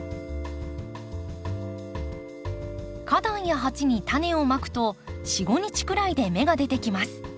花壇や鉢にタネをまくと４５日くらいで芽が出てきます。